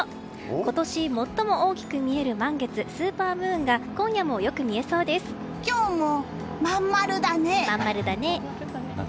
今年、最も大きく見える満月スーパームーンが今日も真ん丸だね。